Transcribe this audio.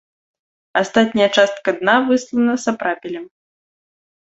Астатняя частка дна выслана сапрапелем.